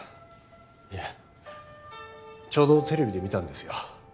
いやちょうどテレビで見たんですよ。